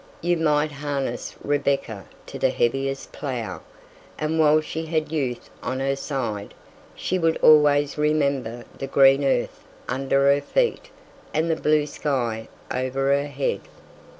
You might harness Rebecca to the heaviest plough, and while she had youth on her side, she would always remember the green earth under her feet and the blue sky over her head.